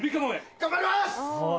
頑張ります！